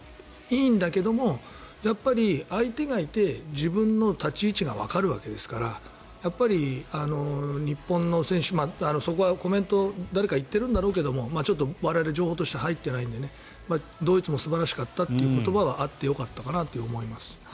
いいんだけども、相手がいて自分の立ち位置がわかるわけですから日本の選手、そこはコメント誰か言ってるんだろうけど我々、情報として入っていないのでドイツも素晴らしかったという言葉はあってよかったかなと思います。